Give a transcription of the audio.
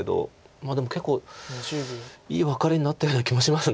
でも結構いいワカレになったような気もします